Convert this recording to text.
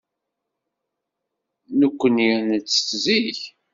Nekkni nettett zik.